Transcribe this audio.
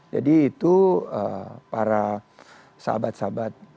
jadi itu para sahabat sahabat